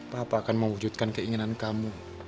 bapak akan mewujudkan keinginan kamu